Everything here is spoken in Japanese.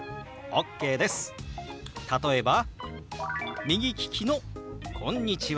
例えば右利きの「こんにちは」。